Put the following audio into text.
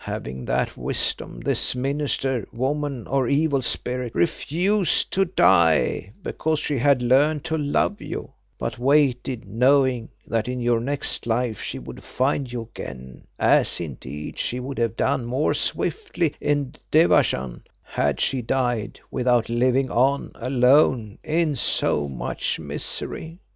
Having that wisdom this minister woman or evil spirit refused to die because she had learned to love you, but waited knowing that in your next life she would find you again, as indeed she would have done more swiftly in Devachan had she died without living on alone in so much misery.